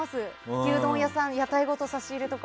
牛丼屋さん屋台ごと差し入れとか。